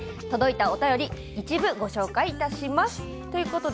届いたお便り一部ご紹介します。